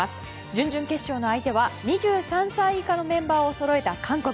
準々決勝の相手は２３歳以下のメンバーをそろえた韓国。